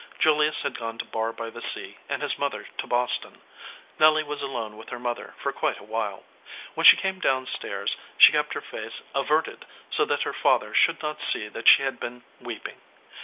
Julius had gone to Barr by the Sea, and his mother to Boston. Nelly was alone with her mother for quite a while. When she came down stairs she kept her face averted so that her father should not see that she had been weeping.